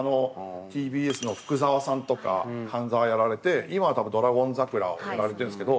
ＴＢＳの福澤さんとか「半沢」やられて今は多分「ドラゴン桜」をやられてるんですけど。